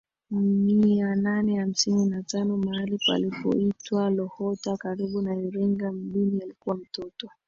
mia nane hamsini na tano mahali palipoitwa Luhota karibu na Iringa mjini Alikuwa mtoto